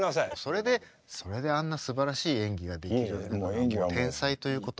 それでそれであんなすばらしい演技ができるんだからもう天才ということ。